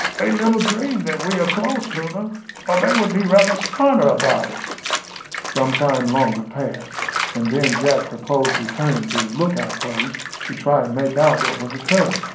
They little dream that we are close to them, or they would be rather smarter about it." Some time longer passed, and then Jack proposed returning to his lookout place, to try and make out what was occurring.